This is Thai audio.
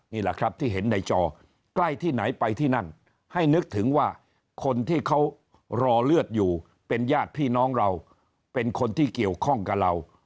นี่แหละครับที่เห็นในจอใกล้ที่ไหนไปที่นั่นให้นึกถึงว่าคนที่เขารอเลือดอยู่เป็นญาติพี่น้องเราเป็นคนที่เกี่ยวข้องกับเรา